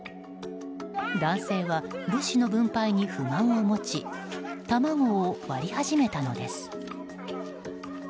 男性は物資の分配に不満を持ち卵を割り始めたのです。